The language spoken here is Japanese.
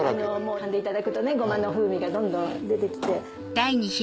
かんでいただくとゴマの風味がどんどん出てきて。